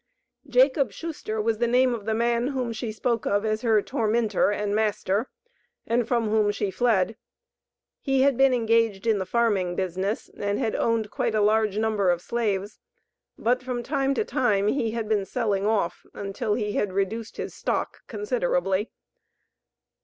Jacob Shuster was the name of the man whom she spoke of as her tormentor and master, and from whom she fled. He had been engaged in the farming business, and had owned quite a large number of slaves, but from time to time he had been selling off, until he had reduced his stock considerably.